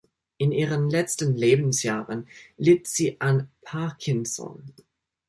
In ihren letzten Lebensjahren litt sie an Parkinson.